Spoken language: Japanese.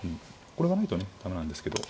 これがないとね駄目なんですけど。